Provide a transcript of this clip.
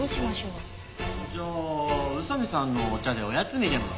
じゃあ宇佐見さんのお茶でおやつにでもする？